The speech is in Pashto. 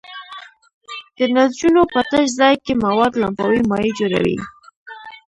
د نسجونو په تش ځای کې مواد لمفاوي مایع جوړوي.